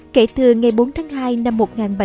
kể từ ngày bốn tháng hai năm một nghìn bảy trăm chín mươi